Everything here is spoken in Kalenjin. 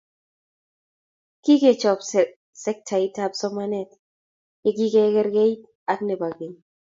Kikechob sektait ab somanet yekikerkeit ak nebo keny